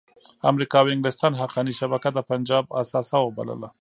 امریکا او انګلستان حقاني شبکه د پنجاب اثاثه وبلله.